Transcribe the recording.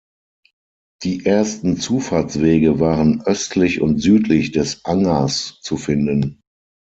Die ersten Zufahrtswege waren östlich und südlich des Angers zu finden.